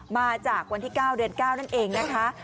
มาจากวันที่๙เดือน๙นั่นเองนะคะ